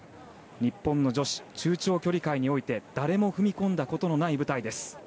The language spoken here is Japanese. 日本の女子中長距離界において誰も踏み込んだことのない舞台です。